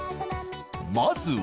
まずは。